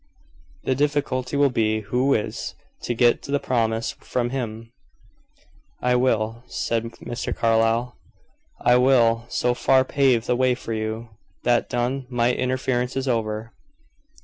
The difficulty will be, who is to get the promise from him?" "I will," said Mr. Carlyle. "I will so far pave the way for you. That done, my interference is over."